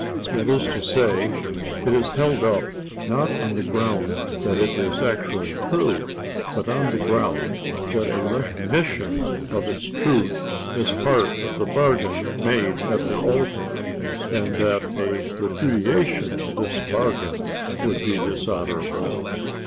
That is to say, it is held up, not on the ground that it is actually true, but on the ground that a recognition of its truth is part of the bargain made at the altar, and that a repudiation of this bargain would be dishonorable.